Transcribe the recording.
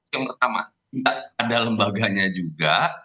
yang pertama tidak ada lembaganya juga